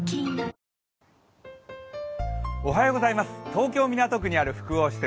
東京・港区にある複合施設